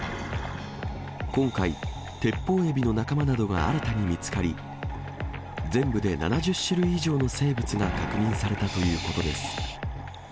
今回、テッポウエビの仲間などが新たに見つかり、全部で７０種類以上の生物が確認されたということです。